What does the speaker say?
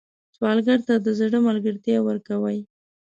سوالګر ته د زړه ملګرتیا ورکوئ